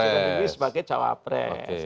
mengajukan diri sebagai cawapres